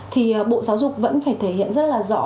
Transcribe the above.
thì bộ giáo dục vẫn phải thể hiện rất là rõ